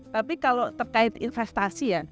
tapi kalau terkait investasi ya